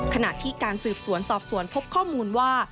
ขณะที่การสืบสวนสอบสวนพบข้อมูลว่า